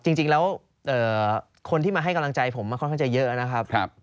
จริงแล้วคนที่มาให้กำลังใจผมมาค่อนข้างจะเยอะนะครับ